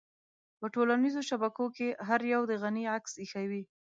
په ټولنيزو شبکو کې هر يوه د غني عکس اېښی وي.